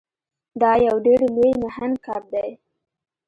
دا یو ډیر لوی نهنګ کب دی.